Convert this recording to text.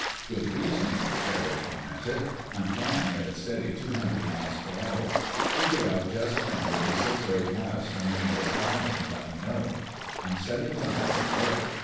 "Good reasoning," Barry commented. "I'm flying at a steady two hundred m.p.h. Figure out just when we'll be six or eight miles from the nearest island, and let me know. I'm setting down on the water.